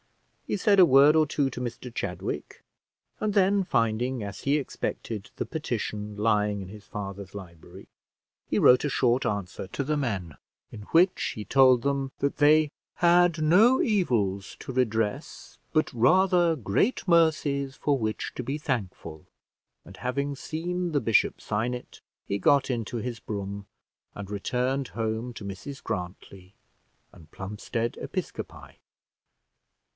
He said a word or two to Mr Chadwick, and then finding, as he expected, the petition lying in his father's library, he wrote a short answer to the men, in which he told them that they had no evils to redress, but rather great mercies for which to be thankful; and having seen the bishop sign it, he got into his brougham and returned home to Mrs Grantly, and Plumstead Episcopi.